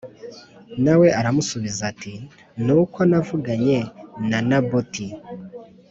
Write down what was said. Na we aramusubiza ati “Ni uko navuganye na Naboti